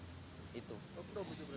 oh pro butuh belakangnya